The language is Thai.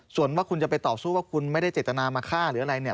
ส่วนว่าคุณจะไปต่อสู้ว่าคุณไม่ได้เจตนามาฆ่าหรืออะไรเนี่ย